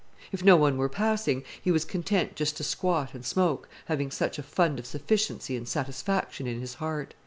If no one were passing, he was content just to squat and smoke, having such a fund of sufficiency and satisfaction in his heart.